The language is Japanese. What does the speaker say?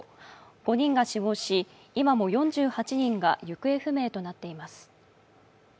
５人が死亡し、今も４８人が行方不明となっています。